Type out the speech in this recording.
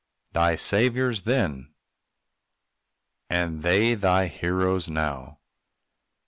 Thy saviors then are they thy heroes now?